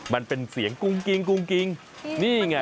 มันเป็นเสียงกุ้งกิ้งนี่ไง